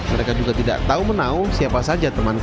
mereka juga tidak tahu menau siapa saja teman teman